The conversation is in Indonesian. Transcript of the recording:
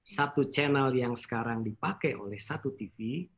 satu channel yang sekarang dipakai oleh satu tv